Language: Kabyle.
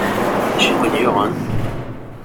D acu i ken-yuɣen?